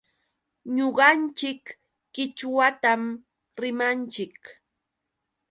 Ñuqanchik qichwatam rimanchik.